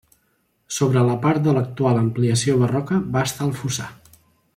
Sobre la part de l'actual ampliació barroca va estar el fossar.